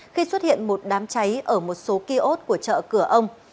khi xuất hiện một đám cháy ở một số kia ốt của chợ cửa ông